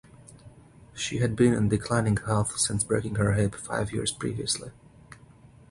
She had been in declining health since breaking her hip five years previously.